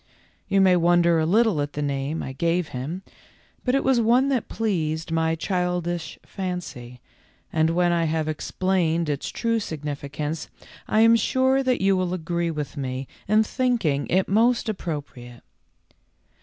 You may wonder a little at the name I gave him, but it was one that pleased my childish fancy, and when I have explained its true sig nificance I am sure that you will agree with me in thinking it most appropriate.